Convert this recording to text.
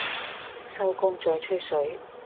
收工再吹水